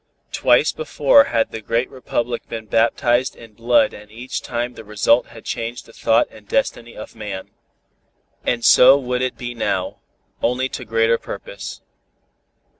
Twice before had the great republic been baptized in blood and each time the result had changed the thought and destiny of man. And so would it be now, only to greater purpose.